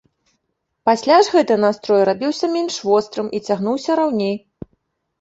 Пасля ж гэты настрой рабіўся менш вострым і цягнуўся раўней.